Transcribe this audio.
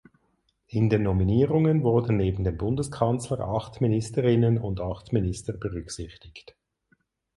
In den Nominierungen wurden neben dem Bundeskanzler acht Ministerinnen und acht Minister berücksichtigt.